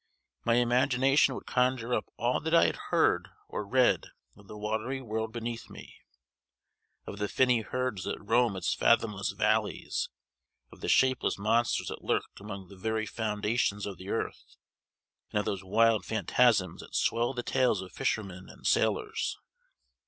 My imagination would conjure up all that I had heard or read of the watery world beneath me; of the finny herds that roam its fathomless valleys; of the shapeless monsters that lurk among the very foundations of the earth; and of those wild phantasms that swell the tales of fishermen and sailors.